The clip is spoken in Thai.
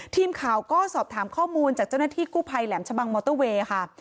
ทีมข่าวก็สอบถามข้อมูลจากเจ้าหน้าที่กู้ภัยแหลมชะบังมอเตอร์เวย์ค่ะ